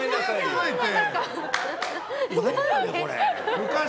なんやねん、これ。